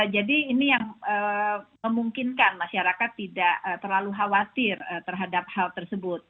jadi ini memungkinkan masyarakat tidak terlalu khawatir terhadap hal tersebut